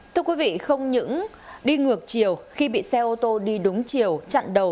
thưa quý vị không những đi ngược chiều khi bị xe ô tô đi đúng chiều chặn đầu